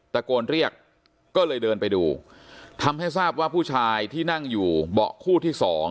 ตะโกนเรียกก็เลยเดินไปดูทำให้ทราบว่าผู้ชายที่นั่งอยู่เบาะคู่ที่๒